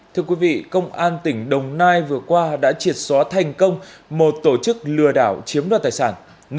thưa quý vị công an tỉnh đồng nai vừa qua đã triệt xóa thành công một tổ chức lừa đảo chiếm đoạt tài sản